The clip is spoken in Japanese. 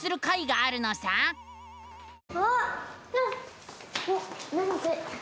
あっ！